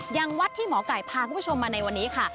อย่างวัดที่หมอไก่พาคุณผู้ชมมาในวันนี้ค่ะ